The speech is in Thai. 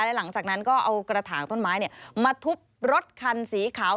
และหลังจากนั้นก็เอากระถางต้นไม้มาทุบรถคันสีขาว